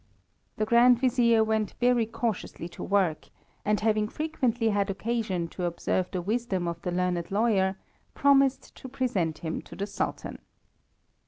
The Grand Vizier went very cautiously to work, and having frequently had occasion to observe the wisdom of the learned lawyer, promised to present him to the Sultan.